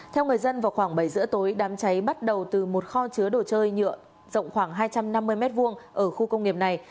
theo người dân vào khoảng bảy giờ tối đám cháy bắt đầu từ một kho chứa đồ chơi nhựa rộng khoảng hai trăm năm mươi m hai ở khu công nghiệp này